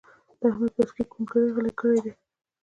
د احمد باسکل کونګري غلي کړي دي.